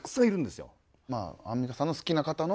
アンミカさんの好きな方の。